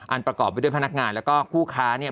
ประกอบไปด้วยพนักงานแล้วก็คู่ค้าเนี่ย